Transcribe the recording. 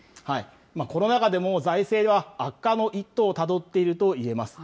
コロナ禍でも財政は悪化の一途をたどっていると言えます。